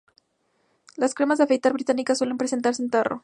Las cremas de afeitar británicas suelen presentarse en tarro.